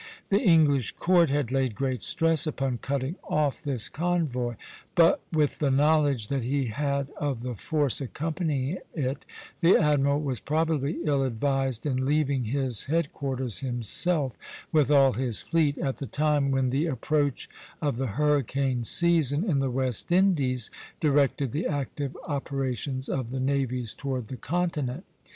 The English Court had laid great stress upon cutting off this convoy; but, with the knowledge that he had of the force accompanying it, the admiral was probably ill advised in leaving his headquarters himself, with all his fleet, at the time when the approach of the hurricane season in the West Indies directed the active operations of the navies toward the continent.